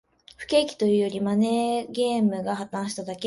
不景気というより、マネーゲームが破綻しただけ